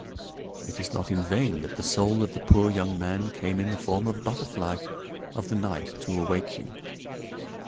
It is not in vain that the soul of the poor young man came in the form of a butterfly of the night to awake you.